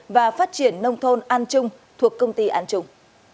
và phát triển nông thôn an trung thuộc công ty an trùng